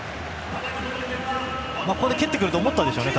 ここで蹴ってくると思ったんでしょうね。